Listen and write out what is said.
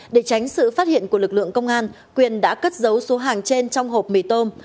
để tránh sự phát hiện của lực lượng công an quyền đã cất dấu số hàng trên trong hộp mì tôm